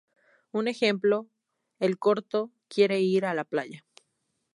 Un ejemplo, el corto ¡Quiero ir a la playa!